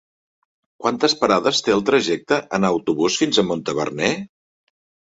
Quantes parades té el trajecte en autobús fins a Montaverner?